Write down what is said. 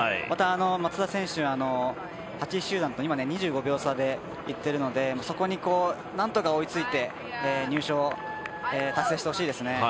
松田選手、８位集団と今、２５秒差で行っているのでそこになんとか追いついて入賞を達成してほしいですね。